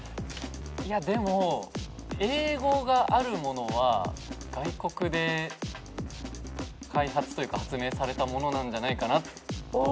いやでも英語があるものは外国で開発というか発明されたものなんじゃないかなと。